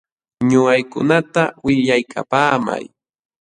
Ñuqaykunata willaykapaamay.